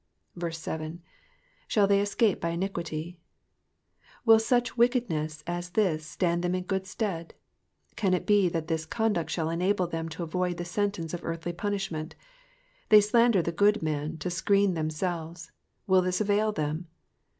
7. ^^ Shall they escape hy iniquity V^ Will such wickedness as this stand them in good stead ? Can it be that this conduct shall enable them to avoid the sentence of earthly punishment ? They slander the good man to screen them selves— will this avail them